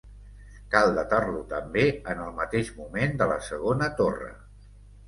Cal datar-lo també en el mateix moment de la segona torre.